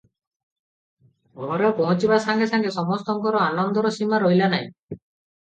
ଘରେ ପହଞ୍ଚିବା ସାଙ୍ଗେ ସାଙ୍ଗେ ସମସ୍ତଙ୍କର ଆନନ୍ଦର ସୀମା ରହିଲା ନାହିଁ ।